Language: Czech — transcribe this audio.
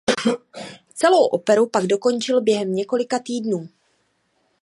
Celou operu pak dokončil během několika týdnů.